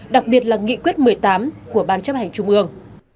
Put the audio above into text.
đặc biệt là nghị quyết một mươi tám của ban chấp hành trung ương